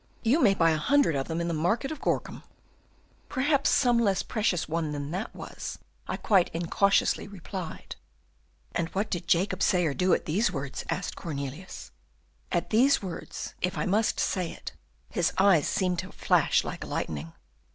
You may buy a hundred of them in the market of Gorcum.' "'Perhaps some less precious one than that was!' I quite incautiously replied." "And what did Jacob say or do at these words?" asked Cornelius. "At these words, if I must say it, his eyes seemed to flash like lightning."